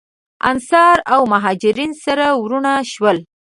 انصار او مهاجرین سره وروڼه شول.